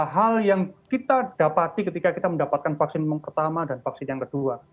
hal yang kita dapati ketika kita mendapatkan vaksin pertama dan vaksin yang kedua